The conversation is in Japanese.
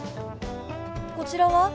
こちらは？